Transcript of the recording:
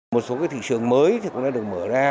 một số thị trường mới cũng đã được mở ra